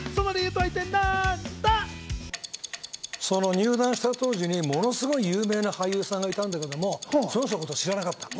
入団した当時にものすごい有名な俳優さんがいたんだけれども、その人のことを知らなかった。